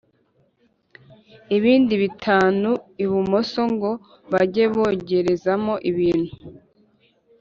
ibindi bitanu ibumoso ngo bajye bogerezamo ibintu